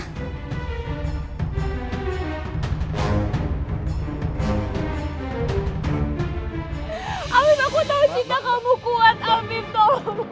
hafiz aku tau cinta kamu kuat hafiz tolong